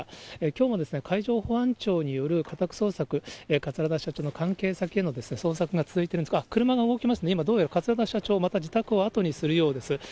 きょうも海上保安庁による家宅捜索、桂田社長の関係先への捜索が続いているんですが、あっ、車が動きましたね、どうやら桂田社長、また自宅を後にするようです。